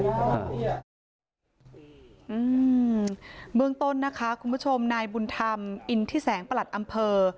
เบื้องต้นนะคะคุณผู้ชมนายบุญธรรมอินทิแสงประหลัดอำเภอ